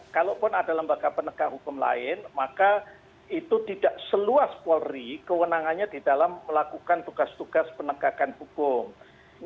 kalaupun ada lembaga penegak hukum lain maka itu tidak seluas polri kewenangannya di dalam melakukan tugas tugas penegakan hukum